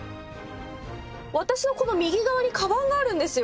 私のこの右側にかばんがあるんですよ。